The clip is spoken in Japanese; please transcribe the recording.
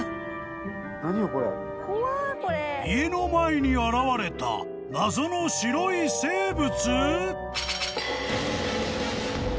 ［家の前に現れた謎の白い生物］